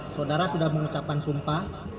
saudara sudah mengucapkan sumpah